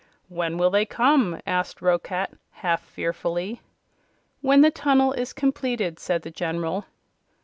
"When will they come?" asked Roquat, half fearfully. "When the tunnel is completed," said the General.